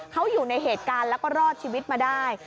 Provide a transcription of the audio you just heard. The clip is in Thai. เขาอยู่ในเหตุการณ์แล้วก็รอดชีวิตมาได้